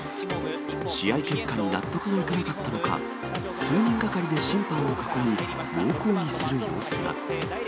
試合結果に納得がいかなかったのか、数人がかりで審判を囲み、猛抗議する様子が。